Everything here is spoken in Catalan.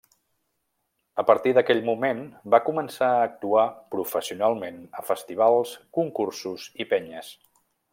A partir d'aquell moment, va començar a actuar professionalment a festivals, concursos i penyes.